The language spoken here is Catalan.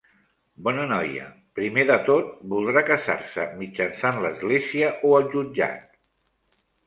Bona noia, primer de tot, voldrà casar-se mitjançant l'església o el jutjat?